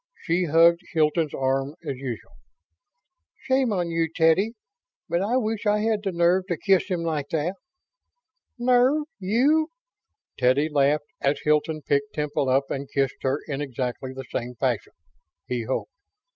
She hugged Hilton's arm as usual. "Shame on you, Teddy. But I wish I had the nerve to kiss him like that." "Nerve? You?" Teddy laughed as Hilton picked Temple up and kissed her in exactly the same fashion he hoped!